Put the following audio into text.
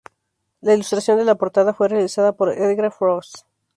La ilustración de la portada fue realizada por Edgar Froese.